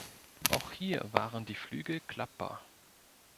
Auch hier waren die Flügel klappbar.